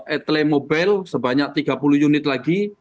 etele mobil sebanyak tiga puluh unit lagi